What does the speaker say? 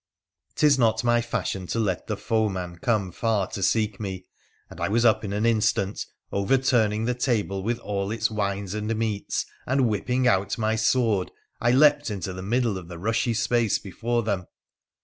' 'Tis not my fashion to let the foeman come far to seek me, and I was up in an instant— overturning the table with all its wines and meats — and, whipping out my sword, I leapt into the middle of the rushy space before them.